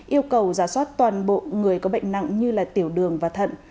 yêu cầu giả soát toàn bộ người có bệnh nặng như tiểu đường và thận